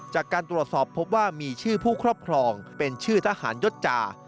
จากการตรวจสอบพบว่ามีชื่อผู้ครอบครองเป็นชื่อทหารยศจา